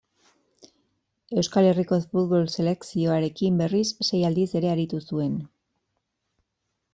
Euskal Herriko futbol selekzioarekin, berriz, sei aldiz ere aritu zuen.